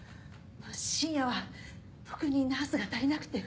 深夜は特にナースが足りなくて。